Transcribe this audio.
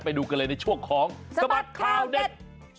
ไปดูกันเลยในช่วงของสบัดข่าวเด็ด